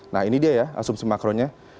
nah ini dia ya asumsi makronya